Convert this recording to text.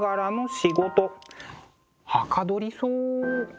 はかどりそう。